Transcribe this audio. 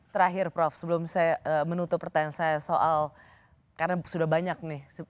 terakhir prof sebelum saya menutup pertanyaan saya soal karena sudah banyak nih